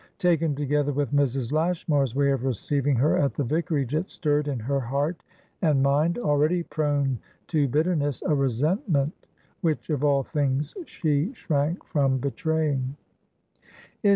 Taken together with Mrs. Lashmar's way of receiving her at the vicarage, it stirred in her heart and mind (already prone to bitterness) a resentment which, of all things, she shrank from betraying.